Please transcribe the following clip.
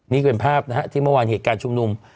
นี่เป็นภาพนะฮะที่เมื่อวานเหตุการณ์ชุมนุม